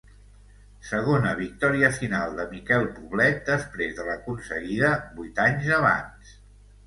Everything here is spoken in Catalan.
Segona victòria final de Miquel Poblet després de l'aconseguida vuit anys abans.